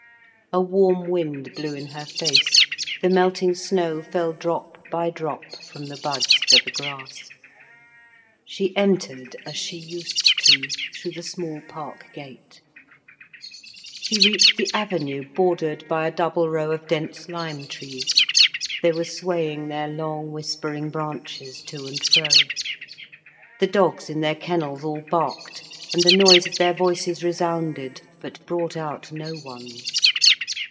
A warm wind blew in her face; the melting snow fell drop by drop from the buds to the grass. She entered, as she used to, through the small park gate. She reached the avenue bordered by a double row of dense lime trees. They were swaying their long whispering branches to and fro. The dogs in their kennels all barked, and the noise of their voices resounded, but brought out no one.